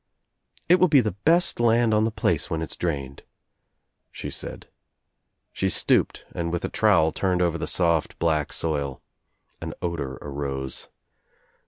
"It will be the best land on the place when It's drained," she said. She stooped and with a trowel turned over the soft black soil. An odor arose.